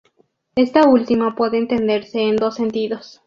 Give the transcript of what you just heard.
Esta última puede entenderse en dos sentidos.